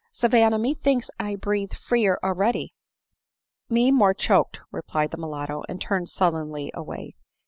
" Savanna, methinks I breathe freer already !"" Me more choked," replied the mulatto, and turned sullenly away.